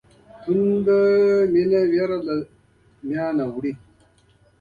توده مینه وېره له منځه وړي.